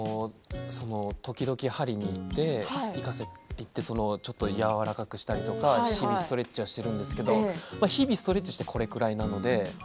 時々、はりに行ってちょっと柔らかくしたりとか日々ストレッチはしてるんですけど日々ストレッチをしてこれぐらいなので。